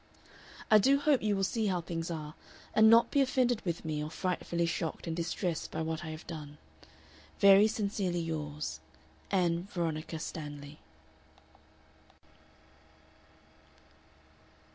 "I do hope you will see how things are, and not be offended with me or frightfully shocked and distressed by what I have done. "Very sincerely yours, "ANN VERONICA STANLEY."